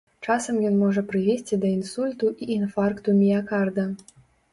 Часам ён можа прывесці да інсульту і інфаркту міякарда.